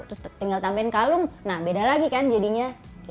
terus tinggal tambahin kalung nah beda lagi kan jadinya